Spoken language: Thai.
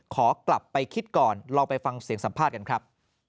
ขอกลับไปคิดก่อนลองไปฟังเสียงสัมภาษณ์กันครับ